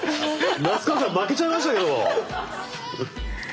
夏川さん負けちゃいましたけども。